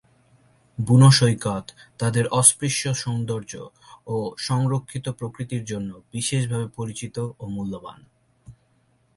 বুনো সৈকত তাদের অস্পৃশ্য সৌন্দর্য, ও সংরক্ষিত প্রকৃতির জন্য বিশেষভাবে পরিচিত ও মূল্যবান।